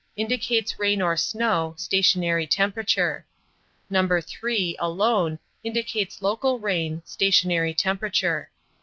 Indicates rain or snow, stationary temperature. No. 3, alone, indicates local rain, stationary temperature.